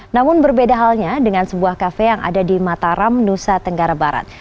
namun berbeda halnya dengan sebuah kafe yang ada di mataram nusa tenggara barat